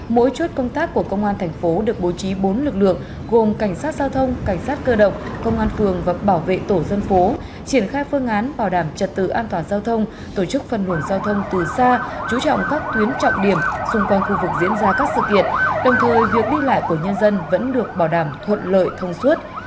mỗi chốt công tác của công an thành phố được bố trí bốn lực lượng gồm cảnh sát giao thông cảnh sát cơ động công an phường và bảo vệ tổ dân phố triển khai phương án bảo đảm trật tự an toàn giao thông tổ chức phân nguồn giao thông từ xa chú trọng các tuyến trọng điểm xung quanh khu vực diễn ra các sự kiện đồng thời việc đi lại của nhân dân vẫn được bảo đảm thuận lợi thông suốt